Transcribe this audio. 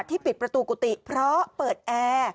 ปิดประตูกุฏิเพราะเปิดแอร์